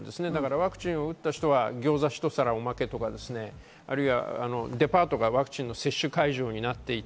ワクチンを打った人は餃子１皿おまけとか、デパートがワクチンの接種会場になっていて